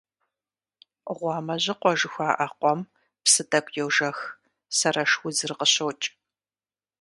«Гъуамэжьыкъуэ» жыхуаӀэ къуэм псы тӀэкӀу йожэх, сэрэш удзыр къыщокӀ.